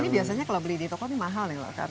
ini biasanya kalau beli di toko ini mahal nih loh kan